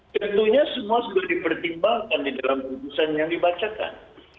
tentunya semua sudah dipertimbangkan di dalam putusan yang dibacakan